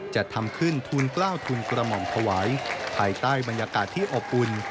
จัดทำขึ้นทุนกล้าวทุนกระหม่อมถวายภายใต้บรรยากาศที่อบอุ่น